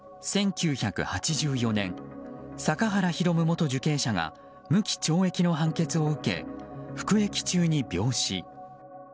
１９８４年、阪原弘元受刑者が無期懲役の判決を受け服役中に病死。